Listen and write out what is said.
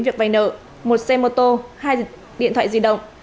việc vay nợ một xe mô tô hai điện thoại di động